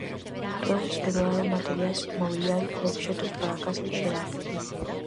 Todos os que doaron materiais, mobiliario e obxectos para a casa en xeral.